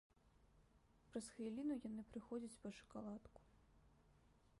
Праз хвіліну яны прыходзяць па шакаладку.